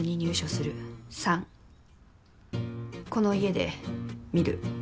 ３この家で見る。